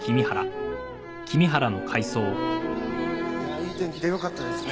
いい天気でよかったですね。